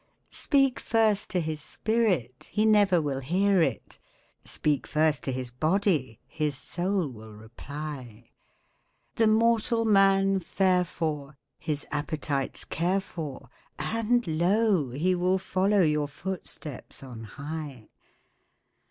Speak first to his spirit, he never will hear it; Speak first to his body, his soul will reply; The mortal man fare for, his appetites care for, And lo! he will follow your footsteps on high.